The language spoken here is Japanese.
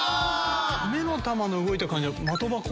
目の玉の動いた感じは。